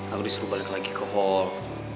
aku disuruh balik lagi ke hall